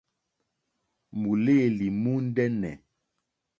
Mùlêlì mùndɛ́nɛ̀.